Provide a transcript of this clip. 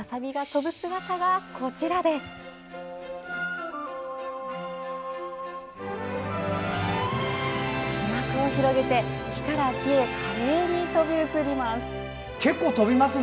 飛膜を広げて木から木へ華麗に飛び移ります。